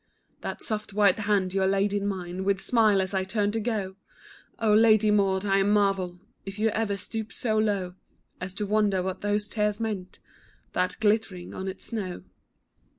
That soft white hand you laid in mine With a smile as I turned to go, Oh, Lady Maud, I marvel If you ever stoop so low, As to wonder what those tears meant, That glittered on its snow.